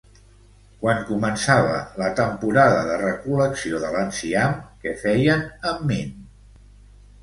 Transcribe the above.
Quan començava la temporada de recol·lecció de l'enciam, què feien amb Min?